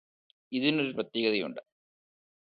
ഇതിനൊരു പ്രത്യേകതയുണ്ട്